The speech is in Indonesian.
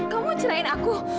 kamu mencerai aku